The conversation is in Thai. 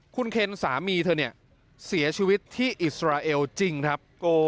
คุณเคนสามีเธอเนี่ยเสียชีวิตที่อิสราเอลจริงครับ